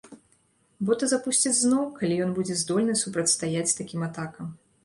Бота запусцяць зноў, калі ён будзе здольны супрацьстаяць такім атакам.